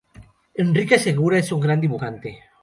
Enrique Segura es un gran dibujante.